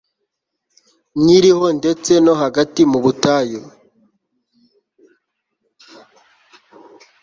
Nkiriho ndetse no hagati mu butayu